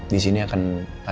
di sini akan ada rizal